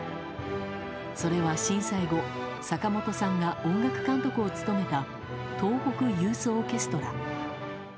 それは、震災後坂本さんが音楽監督を務めた東北ユースオーケストラ。